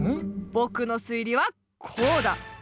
ぼくの推理はこうだ！